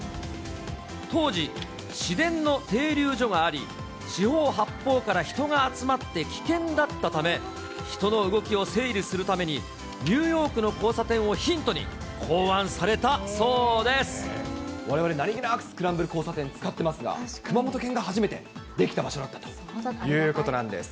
当時、市電の停留所があり、四方八方から人が集まって危険だったため、人の動きを整理するためにニューヨークの交差点をヒントに、われわれ、何気なくスクランブル交差点、使ってますが、熊本県が初めて出来た場所だったということなんです。